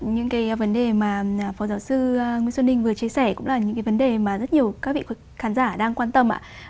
những cái vấn đề mà phó giáo sư nguyễn xuân ninh vừa chia sẻ cũng là những cái vấn đề mà rất nhiều các vị khán giả đang quan tâm ạ